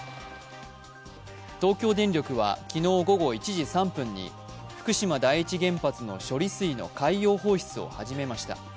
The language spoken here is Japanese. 東京電力は昨日午後１時３分に福島第一原発の処理水の海洋放出を始めました。